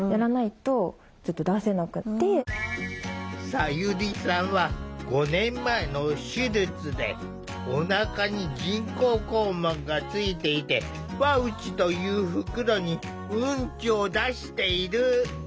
さゆりさんは５年前の手術でおなかに人工肛門がついていてパウチという袋にウンチを出している。